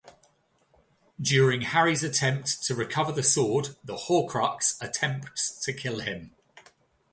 During Harry's attempt to recover the sword, the Horcrux attempts to kill him.